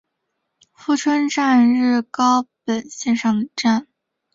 富川站日高本线上的站。